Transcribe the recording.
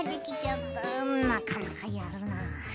うんなかなかやるなあ。